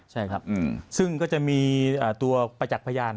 ใช่ครับซึ่งก็จะมีตัวประจักษ์พยาน